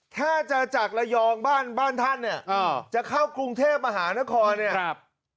ถ้าจะจากระยองบ้านบ้านท่านเนี่ยจะเข้ากรุงเทพมหานครเนี่ยครับ